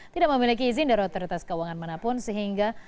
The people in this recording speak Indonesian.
tidak memiliki izin dari otoritas keuangan manapun sehingga